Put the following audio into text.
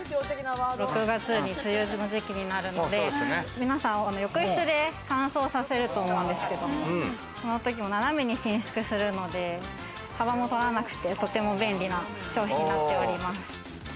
６月、梅雨の時期になるので、皆さん、浴室で乾燥させると思うんですけども、その時、斜めに伸縮するので、幅もとらなくて、とても便利な商品になっております。